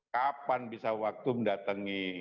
kapan bisa waktu mendatangi